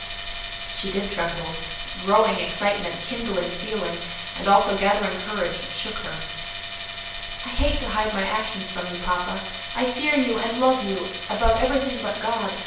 She did tremble: growing excitement, kindling feeling, and also gathering courage, shook her. "I hate to hide my actions from you, papa. I fear you and love you above everything but God.